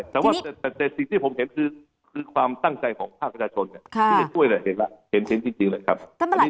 แต่สิที่ผมเห็นคือความตั้งใจของข้ากับประชาชน